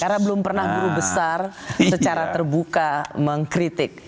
karena belum pernah guru besar secara terbuka mengkritik